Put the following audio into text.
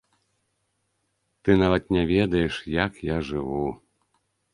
Ты нават не ведаеш, як я жыву!